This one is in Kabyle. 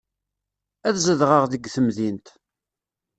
Ad zedɣeɣ deg temdint.